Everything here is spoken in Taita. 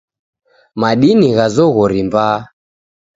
Madini gha zoghori mbaa.